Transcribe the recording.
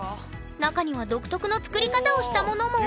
中には独特の作り方をしたものも！